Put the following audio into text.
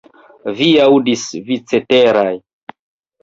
Vi aŭdas, vi ceteraj!